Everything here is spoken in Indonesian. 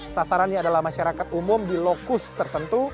sasarannya adalah masyarakat umum di lokus tertentu